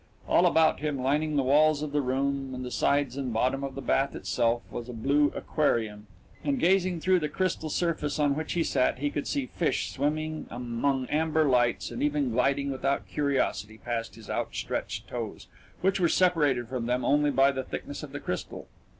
All about him, lining the walls of the room and the sides and bottom of the bath itself, was a blue aquarium, and gazing through the crystal surface on which he sat, he could see fish swimming among amber lights and even gliding without curiosity past his outstretched toes, which were separated from them only by the thickness of the crystal.